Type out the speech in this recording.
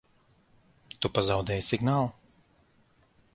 Tu pazaudēji signālu?